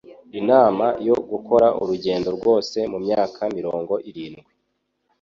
inama yo Gukora Urugendo Rwose Mumyaka mirongo irindwi